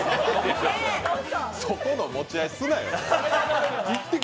そこの持ち合い、すなよ。